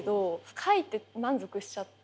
書いて満足しちゃって。